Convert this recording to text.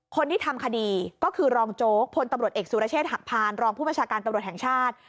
คนที่ทำคดีก็คือรองโจ๊กพลตำรวจเอกสุรเชษฐหักพานรองผู้บัญชาการตำรวจแห่งชาติ